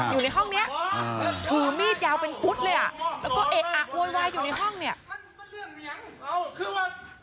อยู่ในห้องนี้ถือมีดยาวเป็นฟุตเลยอ่ะแล้วก็เอะอะโวยวายอยู่ในห้องเนี่ย